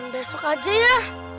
besok aja ya